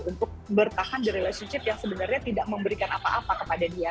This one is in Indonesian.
untuk bertahan di relationship yang sebenarnya tidak memberikan apa apa kepada dia